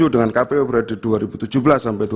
dengan kpu prode dua ribu tujuh belas dua ribu dua puluh dua